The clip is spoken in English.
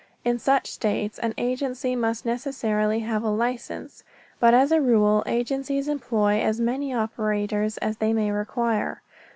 In such states an agency must necessarily have a license, but as a rule agencies employ as many operators as they may require.